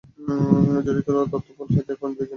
যদি তোর তথ্য ভুল হয়, এর পরিণতি জানিস তুই?